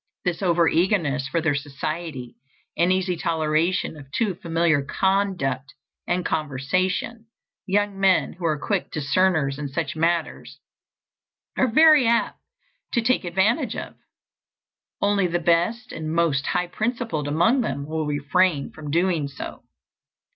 This over eagerness for their society, and easy toleration of too familiar conduct and conversation, young men, who are quick discerners in such matters, are very apt to take advantage of. Only the best and most high principled among them will refrain from doing so.